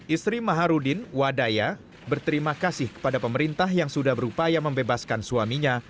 istri maharudin wadaya berterima kasih kepada pemerintah yang sudah berupaya membebaskan suaminya